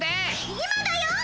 今だよっ！